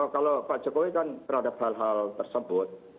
kalau pak jokowi kan terhadap hal hal tersebut